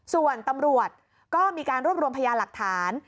ส่วนตำรวจก็มีการรวบรวมพยาหลักฐาน